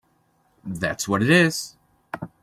That’s what it is!